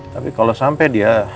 tapi kalau sampai dia